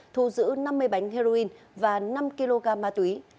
thu giữ năm mươi bánh heroin và năm kg ma túy